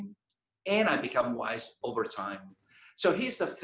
dan saya menjadi bijak dengan dia selama waktu